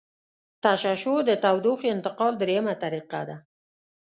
تشعشع د تودوخې انتقال دریمه طریقه ده.